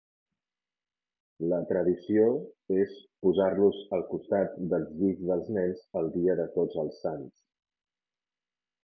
La tradició és posar-los al costat dels llits dels nens el dia de tots els sants.